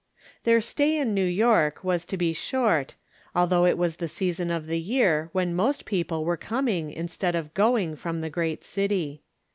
Their stay in New York was to be short, al though it was the season of the year when most people were coming instead of going from the great city.